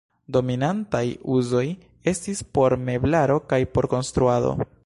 Dominantaj uzoj estis por meblaro kaj por konstruado.